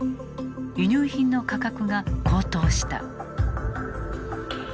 輸入品の価格が高騰した。